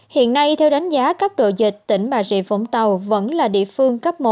hiện nay theo đánh giá cấp độ dịch tỉnh bà địa phúng tàu vẫn là địa phương cấp một